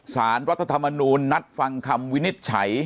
สารรัฐธรรมนูญนัดฟังคำวินิจฉัย